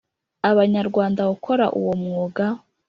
Abanyarwanda gukora uwo mwuga